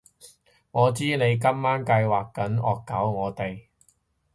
我知你今晚計劃緊惡搞我哋